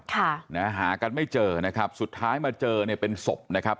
ค่ะนะฮะหากันไม่เจอนะครับสุดท้ายมาเจอเนี่ยเป็นศพนะครับ